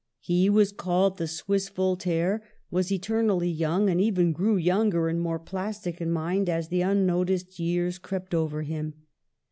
He was called the Swiss Voltaire, was eternally young, and even grew younger and more plastic in mind as the unnoticed years crept over him.